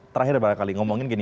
terakhir banyak kali ngomongin